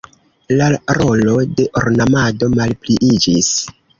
La rolo de ornamado malpliiĝis.